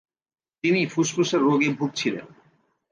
তিনি ফুসফুসের রোগে ভুগছিলেন।